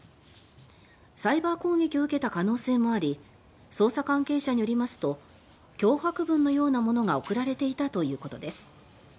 サイバー攻撃を受けた可能性があり捜査関係者によりますと脅迫文のようなものが送られていたということです。